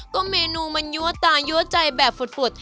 ก็เมนูมันยั่วตายั่วใจแบบฝุด